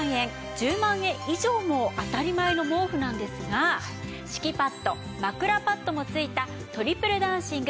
１０万円以上も当たり前の毛布なんですが敷きパッド枕パッドも付いたトリプル暖寝具